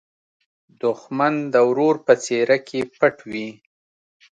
دښمن د ورور په څېره کې پټ وي